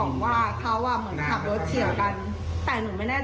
หนึ่งไม่คิดว่าเขาน่าจะแทนกันนะ